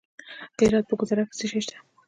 د هرات په ګذره کې څه شی شته؟